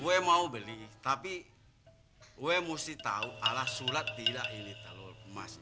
gue mau beli tapi gue mesti tahu alas sulat tidak ini telur emas